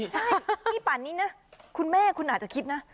ใช่พี่ปั่นนี้นะคุณแม่คุณอาจจะคิดนะ